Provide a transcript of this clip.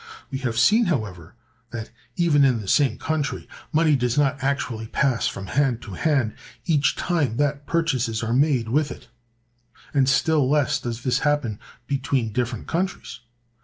We have seen, however, that, even in the same country, money does not actually pass from hand to hand each time that purchases are made with it, and still less does this happen between different countries.